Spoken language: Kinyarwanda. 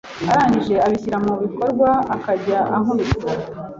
arangije abishyira mu bikorwa akajya ankubita